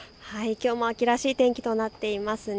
きょうも秋らしい天気となっていますね。